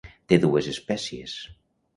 Té dues espècies.